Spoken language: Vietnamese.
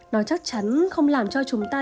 nó chắc chắn không làm cho chúng ta